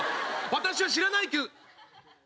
私は知らないけど。